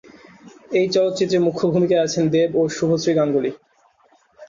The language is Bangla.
এই চলচ্চিত্রে মুখ্য ভূমিকায় আছেন দেব এবং শুভশ্রী গাঙ্গুলী।